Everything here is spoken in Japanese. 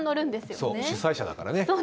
そう、主催者だからね。